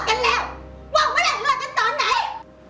พหัววันเข้าเล่าเวทยาตอนไหน